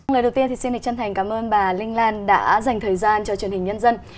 thưa quý vị xin chân thành cảm ơn bà linh lan đã dành thời gian cho truyền hình nhân dân